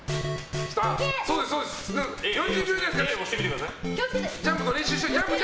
Ａ押してみてください。